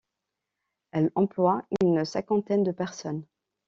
Elle emploie une cinquantaine de personnes.